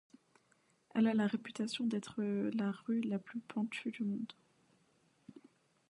Elle a la réputation d'être la rue la plus pentue du monde.